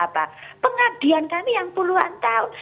pengabdian kami yang puluhan tahun